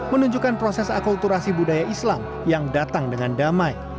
menunjukkan proses akulturasi budaya islam yang datang dengan damai